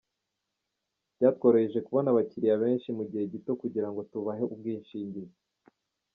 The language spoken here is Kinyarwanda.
Byatworohereje kubona abakiliya benshi mu gihe gito kugira ngo tubahe ubwishingizi.